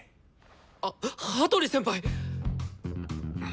あっ羽鳥先輩！